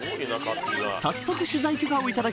早速取材許可を頂き